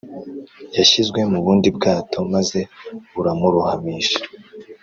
Yashyizwe mu bundi bwato maze buramurohamisha